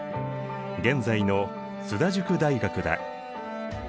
現在の津田塾大学だ。